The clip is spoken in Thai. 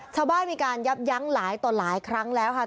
ชาวบ้านมีการยับยั้งหลายต่อหลายครั้งแล้วค่ะ